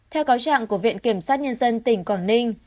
theo cáo trạng của viện kiểm sát nhân dân tỉnh quảng ninh